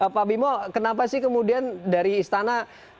pak bimo kenapa sih kemudian dari istana